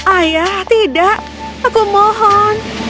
ayah tidak aku mohon